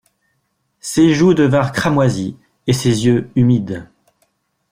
Ses joues devinrent cramoisies, et ses yeux humides.